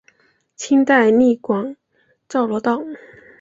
清代隶广肇罗道。